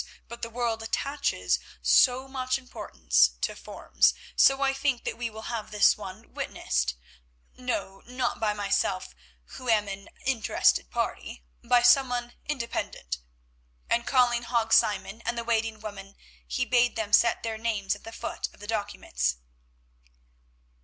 But the world attaches so much importance to forms, so I think that we will have this one witnessed—No, not by myself, who am an interested party—by someone independent," and calling Hague Simon and the waiting woman he bade them set their names at the foot of the documents.